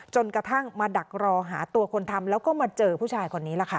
จนกระทั่งมาดักรอหาตัวคนทำแล้วก็มาเจอผู้ชายคนนี้ล่ะค่ะ